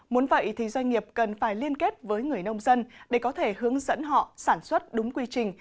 muốn vậy thì doanh nghiệp cần phải liên kết với người nông dân để có thể hướng dẫn họ sản xuất đúng quy trình